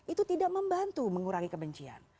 itu tidak membantu mengurangi kebencian